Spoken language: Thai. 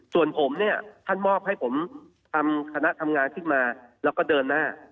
ส่วนผมเนี่ยท่านมอบให้ผมทำคณะทำงานขึ้นมาแล้วก็เดินหน้า